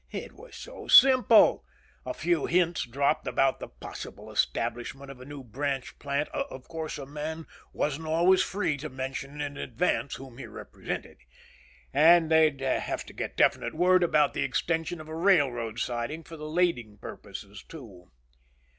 It was so simple. A few hints dropped about the possible establishment of a new branch plant ... of course, a man wasn't always free to mention in advance whom he represented. And they'd have to get definite word about the extension of a railroad siding for the lading purposes, too.